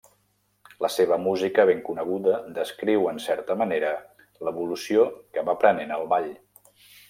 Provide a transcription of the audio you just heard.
La seva música ben coneguda descriu, en certa manera, l'evolució que va prenent el ball.